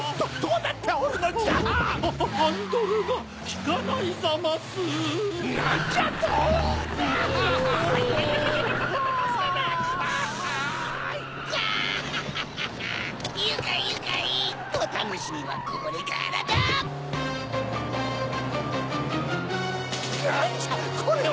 なんじゃこれは！